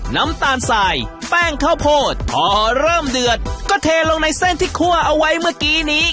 น้ำตาลสายแป้งข้าวโพดพอเริ่มเดือดก็เทลงในเส้นที่คั่วเอาไว้เมื่อกี้นี้